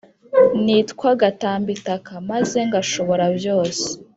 nitwa gatimbataka, maze ngashobora byose,